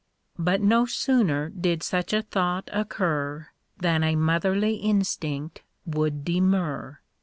But no sooner did such a thought occur, Than a motherly instinct would demur..